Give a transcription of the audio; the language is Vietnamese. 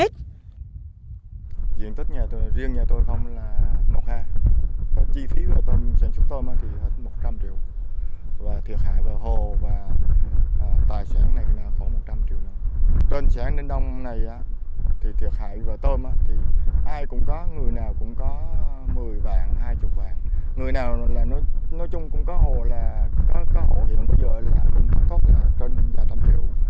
theo chủ hồ nuôi tôm người nào có một mươi vàng hai mươi vàng người nào có hồ thì có thể có tốt hơn ba mươi triệu